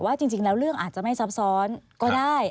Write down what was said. จริงแล้วเรื่องอาจจะไม่ซับซ้อนก็ได้